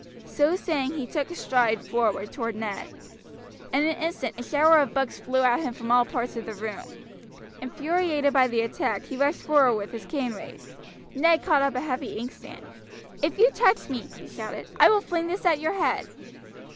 So saying, he took a stride forward toward Ned. In an instant a shower of books flew at him from all parts of the room. Infuriated by the attack, he rushed forward with his cane raised. Ned caught up a heavy inkstand. "If you touch me," he shouted, "I will fling this at your head."